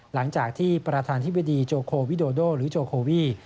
หลังจากที่ประธานธิบดีโจโควิโดโดหรือโจโควี